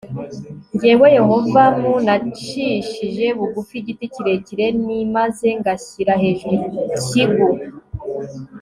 jyewe Yehova m nacishije bugu igiti kirekire n maze ngashyira hejuru ikigu